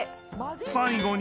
［最後に］